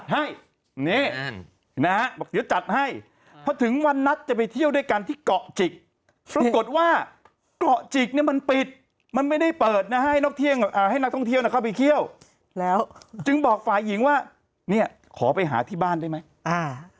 ให้นักท่องเที่ยวเข้าไปเที่ยวแล้วจึงบอกฝ่ายหญิงว่าเนี้ยขอไปหาที่บ้านได้ไหมอ่า